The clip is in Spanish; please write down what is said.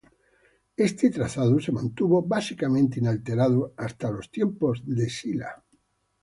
Este trazado se mantuvo básicamente inalterado hasta los tiempos de Sila.